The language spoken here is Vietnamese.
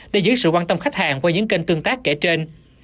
để dưới sự quan tâm khách hàng qua những kênh tương tác kể trên